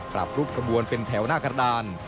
ปรับรูปกระบวนเป็นแถวหน้ากระดาน